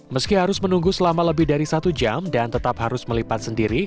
meski harus menunggu selama lebih dari satu jam dan tetap harus melipat sendiri